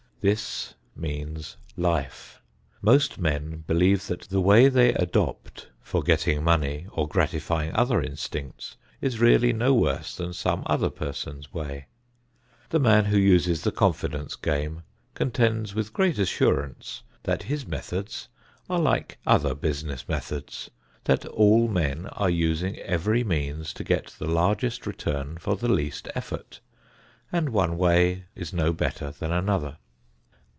This means life. Most men believe that the way they adopt for getting money or gratifying other instincts is really no worse than some other person's way. The man who uses the confidence game contends with great assurance that his methods are like other business methods; that all men are using every means to get the largest return for the least effort, and one way is no better than another.